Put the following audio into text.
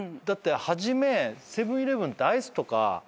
初めセブン―イレブンってアイスとか何だっけ？